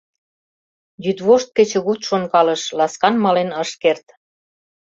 Йӱдвошт-кечыгут шонкалыш, ласкан мален ыш керт.